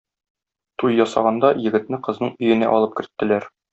Туй ясаганда егетне кызның өенә алып керттеләр.